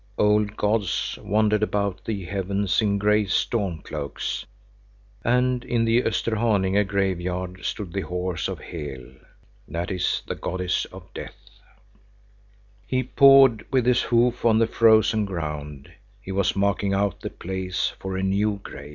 Old gods wandered about the heavens in gray storm cloaks, and in the Österhaninge graveyard stood the horse of Hel. He pawed with his hoof on the frozen ground; he was marking out the place for a new grave.